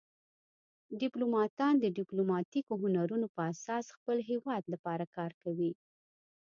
ډیپلوماتان د ډیپلوماتیکو هنرونو په اساس د خپل هیواد لپاره کار کوي